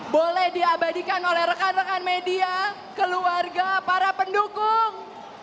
boleh diabadikan oleh rekan rekan media keluarga para pendukung